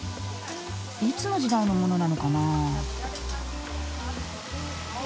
いつの時代のものなのかなあ。